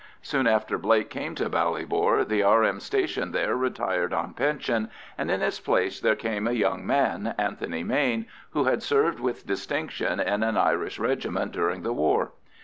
Soon after Blake came to Ballybor, the R.M. stationed there retired on pension, and in his place there came a young man, Anthony Mayne, who had served with distinction in an Irish regiment during the war.